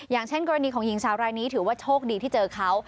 อย่างเช่นกรณีของหญิงสาวรายนี้ถือว่าโชคดีที่เจอเขา